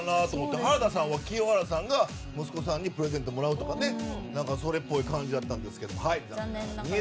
原田さんは清原さんが息子さんからプレゼントもらうとそれっぽい感じだったんですけど。